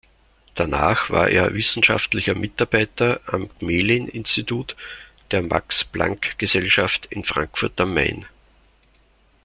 Danach war er wissenschaftlicher Mitarbeiter am Gmelin-Institut der Max-Planck-Gesellschaft in Frankfurt am Main.